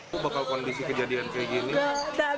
bagaimana kondisi kejadian seperti ini